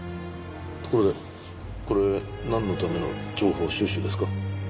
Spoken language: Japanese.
ところでこれなんのための情報収集ですか？